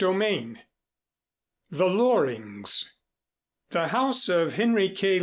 IX THE LORINGS The house of Henry K.